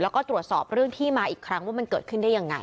แล้วก็ตรวจสอบเรื่องที่มาอีกครั้งว่ามันเกิดขึ้นได้ยังไง